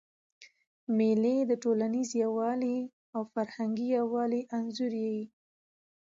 مېلې د ټولنیز یووالي او فرهنګي یووالي انځور يي.